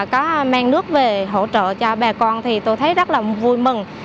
có mang nước về hỗ trợ cho bà con thì tôi thấy rất là vui mừng